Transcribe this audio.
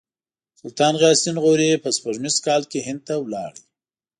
سلطان غیاث الدین غوري په سپوږمیز کال کې هند ته ولاړ.